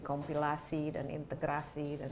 kompilasi dan integrasi